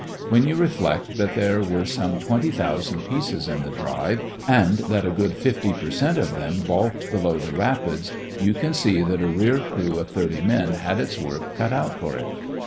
When you reflect that there were some twenty thousand pieces in the drive, and that a good fifty per cent. of them balked below the rapids, you can see that a rear crew of thirty men had its work cut out for it.